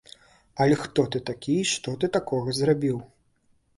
Але хто ты такі і што ты такога зрабіў?